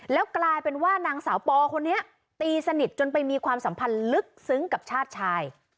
แล้วกลายเป็นว่านางสาวปอคนนี้ตีสนิทจนไปมีความสัมพันธ์ลึกซึ้งกับชาติชาย